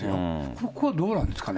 ここはどうなんですかね。